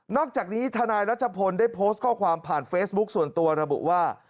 อกจากนี้ทนายรัชพลได้โพสต์ข้อความผ่านเฟซบุ๊คส่วนตัวระบุว่า